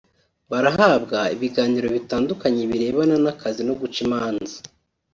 Barahabwa ibiganiro bitandukanye birebana n’akazi ko guca imanza